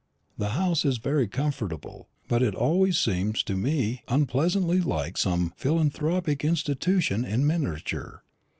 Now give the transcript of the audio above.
The house is very comfortable; but it always seems to me unpleasantly like some philanthropic institution in miniature.